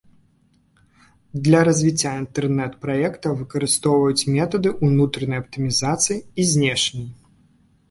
Для развіцця інтэрнэт-праекта выкарыстоўваюць метады ўнутранай аптымізацыі і знешняй.